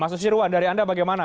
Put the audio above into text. mas nusirwan dari anda bagaimana